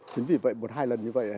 chính vì vậy một hai lần như vậy